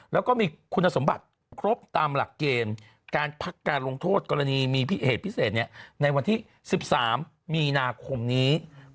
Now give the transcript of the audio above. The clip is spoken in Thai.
แล้วก็มีคุณสมบัติครบตามหลักเกณฑ์การสภาพการลงโทษเกิดมีวินาคมนี้